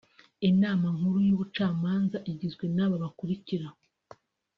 Inama nkuru y’ubucamanza igizwe n’aba bakurikira